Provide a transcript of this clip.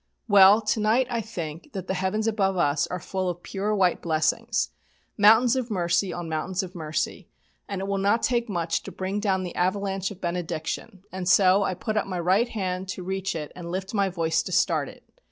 Well, to night I think that the heavens above us are full of pure white blessings, mountains of mercy on mountains of mercy, and it will not take much to bring down the avalanche of benediction, and so I put up my right hand to reach it and lift my voice, to start it.